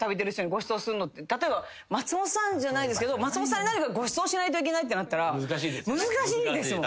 例えば松本さんじゃないですけど松本さんにごちそうしないといけないってなったら難しいですもん。